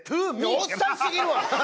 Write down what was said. いやおっさんすぎるわ！